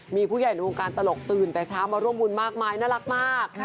มีผู้ใหญ่ในวงการตลกตื่นแต่เช้ามาร่วมบุญมากมายน่ารักมาก